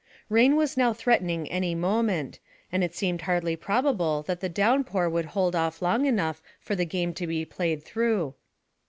Rain was now threatening any moment, and it seemed hardly probable that the downpour would hold off long enough for the game to be played through.